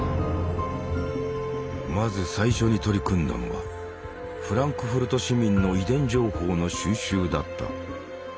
まず最初に取り組んだのはフランクフルト市民の遺伝情報の収集だった。